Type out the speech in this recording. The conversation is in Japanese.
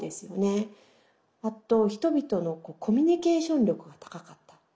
あと人々のコミュニケーション力が高かった。